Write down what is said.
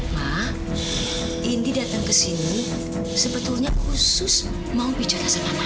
mak indi datang ke sini sebetulnya khusus mau bicara sama